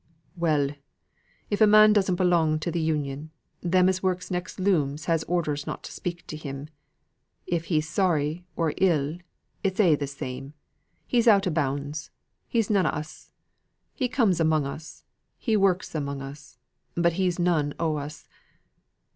"Well! If a man doesn't belong to th' Union, them as works next looms as orders not to speak to him if he's sorry or ill it's a' the same; he's out o' bounds; he's none o' us; he comes among us, he works among us, but he's none o' us.